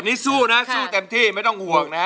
นี่สู้นะสู้เต็มที่ไม่ต้องห่วงนะฮะ